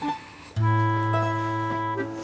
kamu mau ke rumah